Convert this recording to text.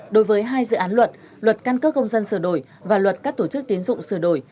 đối với hai dự án luật luật căn cước công dân sửa đổi và luật các tổ chức tiến dụng sửa đổi